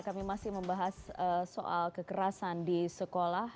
kami masih membahas soal kekerasan di sekolah